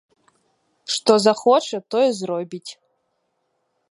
Што захоча, тое зробіць.